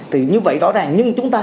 thì như vậy rõ ràng nhưng chúng ta